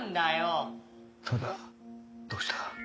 「ただ」どうした？